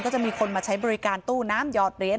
จะมีคนมาใช้บริการตู้น้ำหยอดเหรียญ